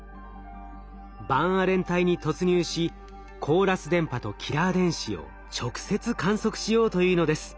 バンアレン帯に突入しコーラス電波とキラー電子を直接観測しようというのです。